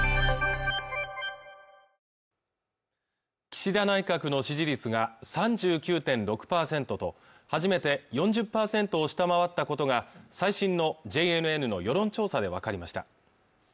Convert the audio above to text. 岸田内閣の支持率が３９．６％と初めて４０％を下回ったことが最新のＪＮＮの世論調査でわかりました